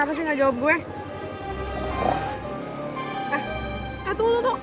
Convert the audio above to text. eh eh tunggu